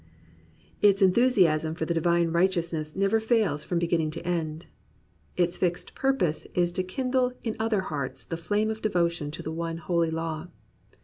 Its enthusiasm for the Divine Righteousness never fails from beginning to end. Its fixed purpose is to kindle in other hearts the flame of devotion to the one Holy Law.